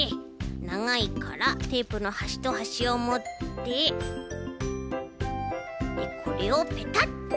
ながいからテープのはしとはしをもってでこれをペタッと。